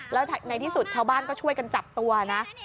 แล้วในที่สุดชาวบ้านก็ช่วยกันจับตัวนะ